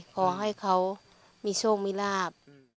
ขอให้เขามีโชคมีลาบ